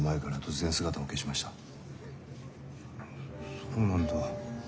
そうなんだ。